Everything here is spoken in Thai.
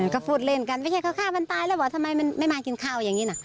ก็พูดเล่นกันไม่ใช่เขาฆ่ามันตายแล้วเหรอทำไมมันไม่มากินข้าวอย่างนี้นะ